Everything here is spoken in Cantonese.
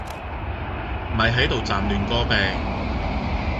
咪係度劖亂歌柄